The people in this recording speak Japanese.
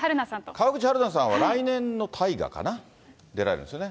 川口春奈さんは来年の大河かな、出られるんですよね。